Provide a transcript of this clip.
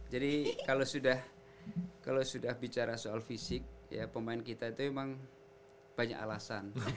jadi kalau sudah bicara soal fisik ya pemain kita itu emang banyak alasan